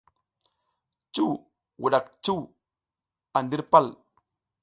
Cuw wuɗak cuw a ndir pal.